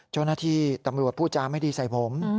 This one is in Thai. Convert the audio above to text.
เจ้าหน้าที่ตำรวจพูดจาไม่ดีใส่ผม